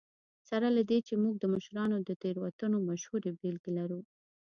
سره له دې چې موږ د مشرانو د تېروتنو مشهورې بېلګې لرو.